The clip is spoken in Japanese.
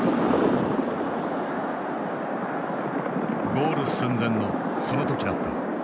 ゴール寸前のその時だった。